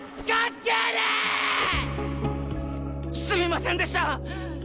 すみませんでした！